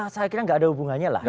saya kira nggak ada hubungannya lah